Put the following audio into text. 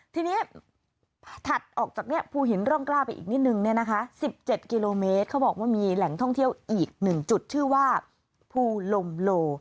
ทีนี้ถัดออกจากภูหินร่องกล้าไปอีกนิดนึงเนี่ยนะคะ๑๗กิโลเมตรเขาบอกว่ามีแหล่งท่องเที่ยวอีก๑จุดชื่อว่าภูลมโล